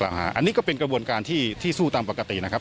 อันนี้ก็เป็นกระบวนการที่สู้ตามปกตินะครับ